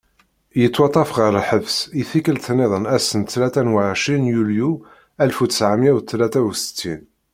Yettwaṭṭef ɣer lḥebs i tikkelt-nniden ass n tlata u ɛecrin yunyu alef u ttɛemya u tlata u settin.